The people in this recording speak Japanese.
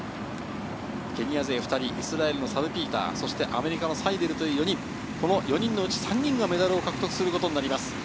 ケニア勢２人、イスラエルのサルピーター、そしてアメリカのサイデル、この４人のうち３人がメダルを獲得することになります。